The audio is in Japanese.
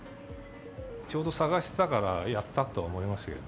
ちょうど探してたから、やったと思いましたけどね。